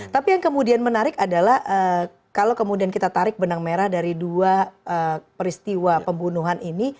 tapi yang kemudian menarik adalah kalau kemudian kita tarik benang merah dari dua peristiwa pembunuhan ini